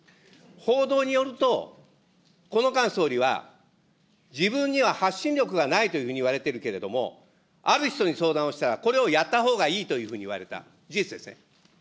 報道によると、この間、総理は自分には発信力がないというふうにいわれているけれども、ある人に相談をしたら、これをやったほうがいいというふうに言われた。